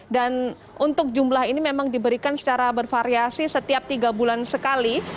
dan untuk jumlah ini memang diberikan secara bervariasi setiap tiga bulan sekali